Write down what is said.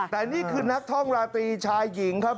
แต่นี่คือนักท่องราตรีชายหญิงครับ